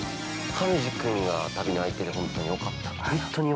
◆上地君が旅の相手でほんとによかった。